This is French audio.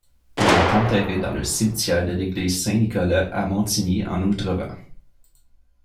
Il est enterré dans le cimetière de l'église Saint-Nicolas à Montigny-en-Ostrevent.